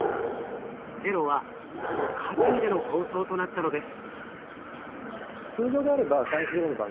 「ＺＥＲＯ」はその渦中での放送となったのです。